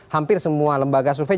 hampir semua lembaga survei